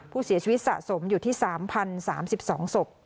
ผู้เสียชีวิตสะสมอยู่ที่๓๐๓๒ศพ